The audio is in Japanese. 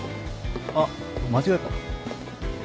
あっ間違えた。